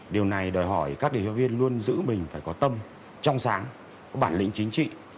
điều này đòi hỏi các điều tra viên luôn giữ mình phải có tâm trong sáng có bản lĩnh chính trị